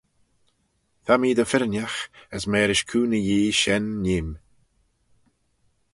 Ta mee dy firrinagh; as mârish cooney Yee shen nee'm.